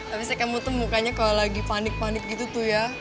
abisnya kamu tuh mukanya kok lagi panik panik gitu tuh ya